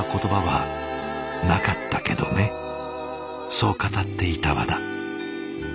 そう語っていた和田。